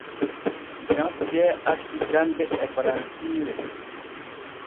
Jean Pierre acci jande e faransiire.